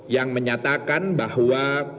yang menyatakan bahwa